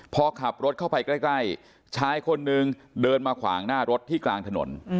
พอขับรถเข้าไปใกล้ชายคนนึงเดินมาขวางหน้ารถที่กลางถนน